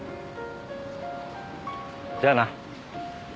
じゃあな。